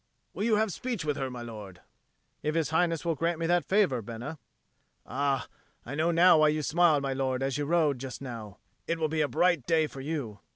"Will you have speech with her, my lord?" "If His Highness will grant me that favour, Bena." "Ah, I know now why you smiled, my lord, as you rode, just now. It will be a bright day for you."